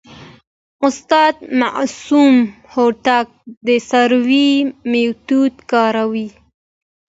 استاد معصوم هوتک د سروې میتود کاروي.